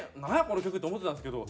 この曲って思ってたんですけど